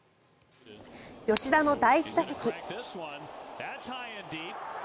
吉田の第１打席。